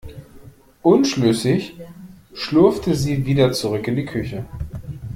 Unschlüssig schlurfte sie wieder zurück in die Küche.